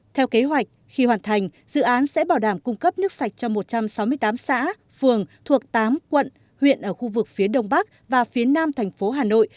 theo kế hoạch khi hoàn thành dự án sẽ bảo đảm cung cấp nước sạch cho một trăm sáu mươi tám xã phường thuộc tám quận huyện ở khu vực phía đông bắc và phía nam thành phố hà nội